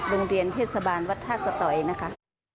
โรงเรียนเทศบาลวัดท่าสตอยนะคะ